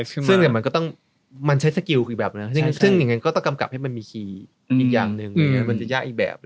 ซึ่งมันก็ต้องมันใช้สกิลอีกแบบนึงซึ่งอย่างนั้นก็ต้องกำกับให้มันมีคีย์อีกอย่างหนึ่งมันจะยากอีกแบบ